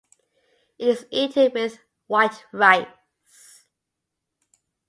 It is eaten with white rice.